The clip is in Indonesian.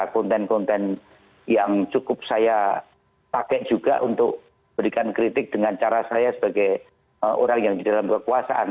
konten konten yang cukup saya pakai juga untuk memberikan kritik dengan cara saya sebagai orang yang di dalam kekuasaan